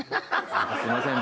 すいません。